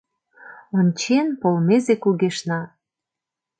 Ончен, полмезе кугешна.